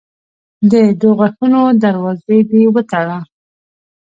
د دوږخونو دروازې دي وتړه.